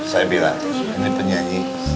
saya bilang ini penyanyi